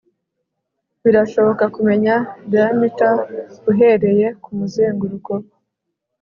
birashoboka kumenya diameter uhereye kumuzenguruko